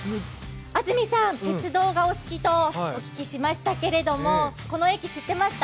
安住さん、鉄道がお好きとお聞きしましたけども、この駅、知ってました？